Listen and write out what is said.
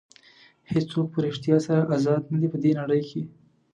هېڅوک په ریښتیا سره ازاد نه دي په دې نړۍ کې.